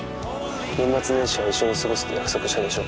年末年始は一緒に過ごすって約束したでしょ。